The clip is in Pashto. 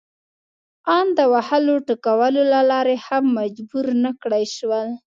ان د وهلو ټکولو له لارې هم مجبور نه کړای شول.